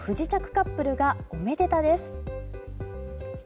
カップルがおめでたです。